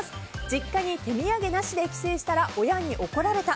実家に手土産なしで帰省したら怒られた。